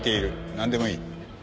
何でもいい。